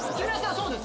そうです